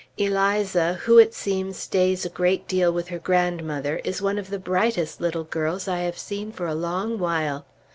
Eliza, who it seems stays a great deal with her grandmother, is one of the brightest little girls I have seen for a long while.